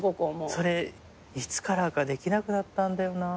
それいつからかできなくなったんだよな。